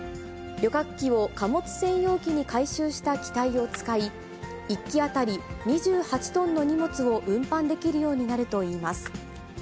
旅客機を貨物専用機に改修した機体を使い、１機当たり２８トンの荷物を運搬できるようになるといいます。